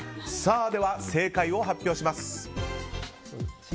では正解を発表します。